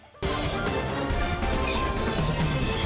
jangan lupa untuk berlangganan